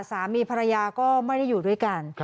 สามีภรรยาก็ไม่ได้อยู่ด้วยกัน